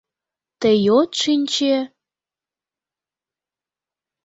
Тый от шинче...